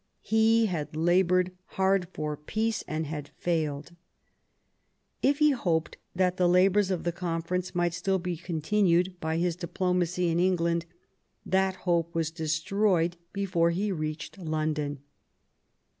He had laboured hard for peace, and had failed. If he hoped that the laboiu*s of the conference might still be continued by his diplomacy in England, that hope was destroyed before he reached London.